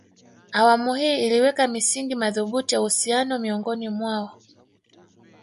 Awamu hii iliweka misingi madhubuti ya uhusiano miongoni mwao